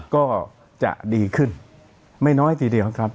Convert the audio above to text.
ก็จะดีขึ้นไม่น้อยทีเดียวครับ